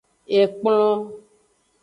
Ekplon.